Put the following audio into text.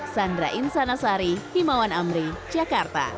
sandra insanasari himawan amri jakarta